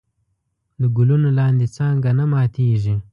د ګلونو لاندې څانګه نه ماتېږي.